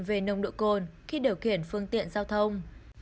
về nồng độ cồn khi điều khiển phương tiện giao thông